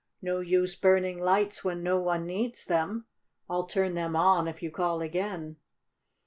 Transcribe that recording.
"No use burning lights when no one needs them. I'll turn them on if you call again."